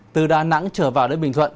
từ đà nẵng trở vào đến bình thuận